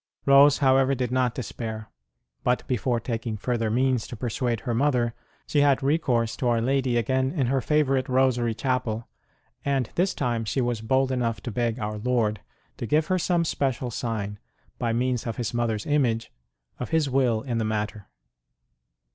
Rose, however, did not despair ; but before taking further means to persuade her mother, she had recourse to Our Lady again in her favourite Rosary Chapel ; and this time she was bold enough to beg Our Lord to give her some special sign, by means of His Mother s image, of His will in the matter.